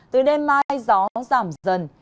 từ đêm mai gió giảm dần